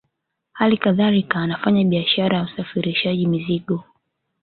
Hali kadhalika anafanya biashara ya usafirishaji mizigo